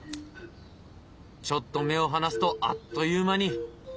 ちょっと目を離すとあっという間に。